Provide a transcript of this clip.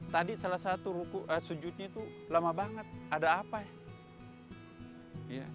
tadi salah satu sujudnya itu lama banget ada apa ya